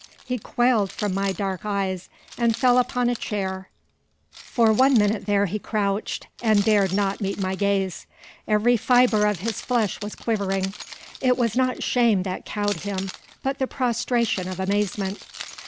He quailed from my dark eyes, and fell upon a chair. For one minute there he crouched, and dared not meet my gaze; every fibre of his flesh was quivering. It was not shame that cowed him, but the prostration of amazement.